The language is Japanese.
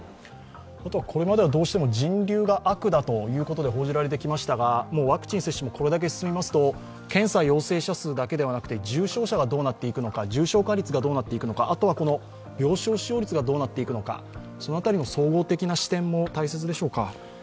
これまではどうしても人流が悪だと報じられてきましたがもうワクチン接種もこれだけ進みますと、検査陽性者数だけでなく、重症者がどうなっていくのか、重症化率がどうなっていくのか、あとは病床使用率がどうなっていくかという辺りの総合的な視点も大切でしょうか。